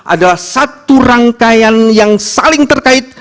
adalah satu rangkaian yang saling terkait